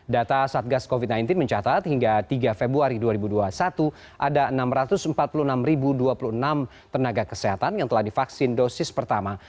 data satgas covid sembilan belas mencatat hingga tiga februari dua ribu dua puluh satu ada enam ratus empat puluh enam dua puluh enam tenaga kesehatan yang telah divaksin dosis pertama